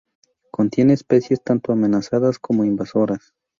Contiene especies tanto amenazadas como invasoras.